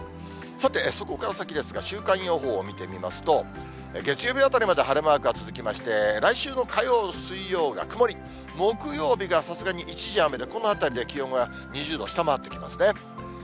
さて、そこから先ですが、週間予報を見てみますと、月曜日あたりまで晴れマークが続きまして、来週の火曜、水曜が曇り、木曜日がさすがに一時雨で、このあたりで気温が２０度下回ってきますね。